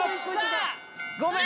ごめーん！